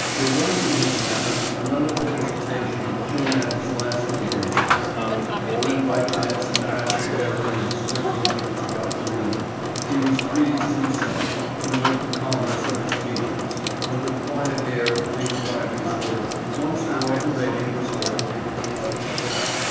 There was in his manner none of the hesitation shown at his last entrance there, and when by chance he passed the mirror in his quick movements about the room he was pleased himself to note the calmness of his features, and the quiet air of dignified reserve once more pervading his whole appearance.